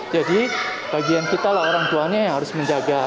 jadi bagian kita lah orang tuanya yang harus menjaga